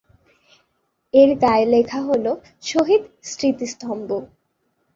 এর গায়ে লেখা হলো 'শহীদ স্মৃতিস্তম্ভ'।